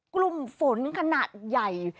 กลุ่มฝนขนาดใหญ่